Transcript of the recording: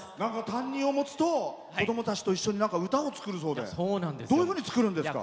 担任を持つと子どもたちと一緒に歌を作るそうでどういうふうに作るんですか？